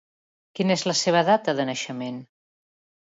Quina és la seva data de naixement?